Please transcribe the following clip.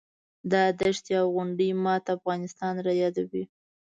دا دښتې او غونډۍ ماته افغانستان رایادوي.